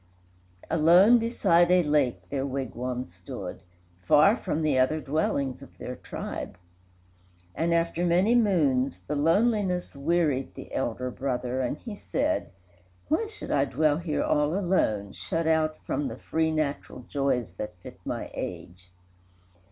Alone, beside a lake, their wigwam stood, Far from the other dwellings of their tribe; And, after many moons, the loneliness Wearied the elder brother, and he said, "Why should I dwell here all alone, shut out From the free, natural joys that fit my age?